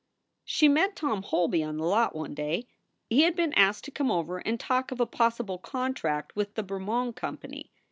She met Tom Holby on the lot one day. He had been asked to come over and talk of a possible contract with the Bermond Company.